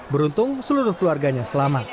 beruntung seluruh keluarganya selamat